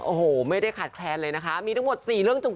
โอ้โหไม่ได้ขาดแคลนเลยนะคะมีทั้งหมด๔เรื่องจุง